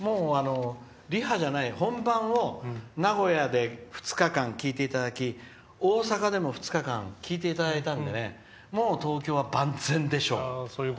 リハじゃない、本番を名古屋で２日間聴いていただき、大阪でも２日間聴いていただいたのでもう東京は万全でしょう。